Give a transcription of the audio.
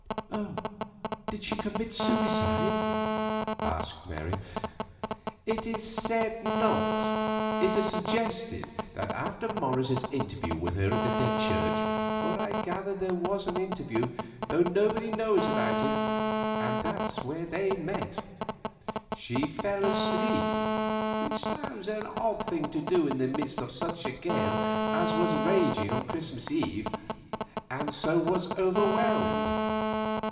"Did she commit suicide?" asked Mary. "It is said not; it is suggested that after Morris's interview with her in the Dead Church—for I gather there was an interview though nobody knows about it, and that's where they met—she fell asleep, which sounds an odd thing to do in the midst of such a gale as was raging on Christmas Eve, and so was overwhelmed.